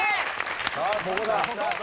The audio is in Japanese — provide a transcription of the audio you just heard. さあここだ。